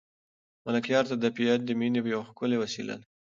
ملکیار ته طبیعت د مینې یوه ښکلې وسیله ده.